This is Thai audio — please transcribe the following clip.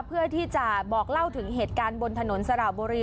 เพื่อที่จะบอกเล่าถึงเหตุการณ์บนถนนสระบุรี